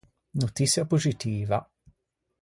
Notiçia poxitiva.